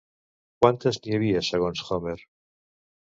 Quantes n'hi havia segons Homer?